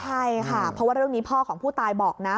ใช่ค่ะเพราะว่าเรื่องนี้พ่อของผู้ตายบอกนะ